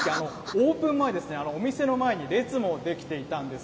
オープン前、お店の前に列も出来ていたんです。